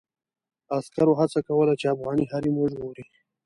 عسکرو هڅه کوله چې افغاني حريم وژغوري.